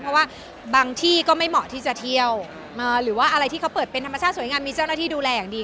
เพราะว่าบางที่ก็ไม่เหมาะที่จะเที่ยวหรือว่าอะไรที่เขาเปิดเป็นธรรมชาติสวยงามมีเจ้าหน้าที่ดูแลอย่างดี